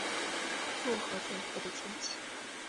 落合建夫的亲戚。